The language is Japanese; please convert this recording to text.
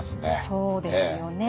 そうですよね。